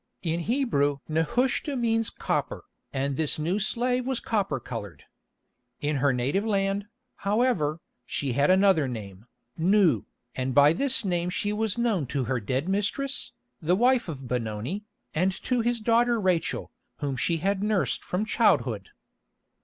In Hebrew Nehushta means copper, and this new slave was copper coloured. In her native land, however, she had another name, Nou, and by this name she was known to her dead mistress, the wife of Benoni, and to his daughter Rachel, whom she had nursed from childhood.